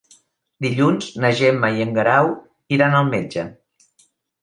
Dilluns na Gemma i en Guerau iran al metge.